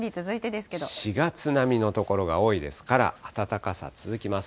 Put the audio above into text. ４月並みの所が多いですから、暖かさ、続きます。